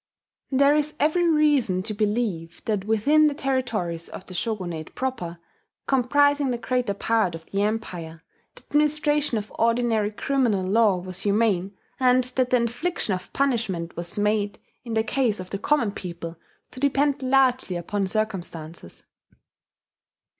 There is every reason to believe that within the territories of the Shogunate proper, comprising the greater part of the Empire, the administration of ordinary criminal law was humane, and that the infliction of punishment was made, in the case of the common people, to depend largely upon circumstances.